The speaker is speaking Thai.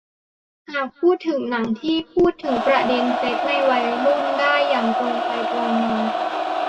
หากพูดถึงหนังที่พูดถึงประเด็นเซ็กส์ในวัยรุ่นได้อย่างตรงไปตรงมา